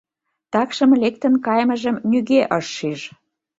Такшым лектын кайымыжым нигӧ ыш шиж.